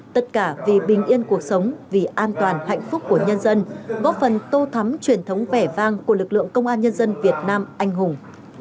tất cả vì bình yên cuộc sống vì an toàn hạnh phúc của nhân dân góp phần tô thắm truyền thống vẻ vang của lực lượng công an nhân dân việt nam anh hùng